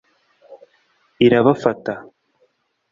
irabafata